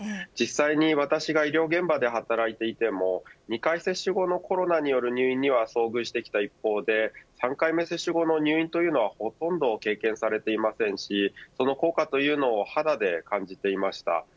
実際に私が医療現場で働いていても２回接種後のコロナによる入院には遭遇してきた一方で３回目接種後の入院というのはほとんど経験されていませんしその効果というのを肌で感じていました。